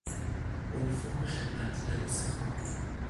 اونیفورم خدمت، لباس کار